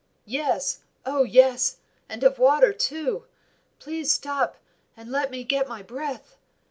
"Yes, oh yes, and of water, too! Please stop, and let me get my breath!"